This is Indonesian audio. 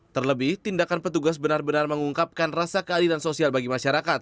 terlebih tindakan petugas benar benar mengungkapkan rasa keadilan sosial bagi masyarakat